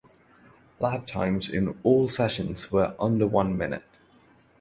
Lap times in all sessions were under one minute.